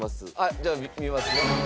じゃあ見ますね。